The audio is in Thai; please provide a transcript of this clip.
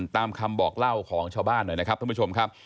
ตามคำบอกเล่าของชาวบ้านหน่อยนะครับ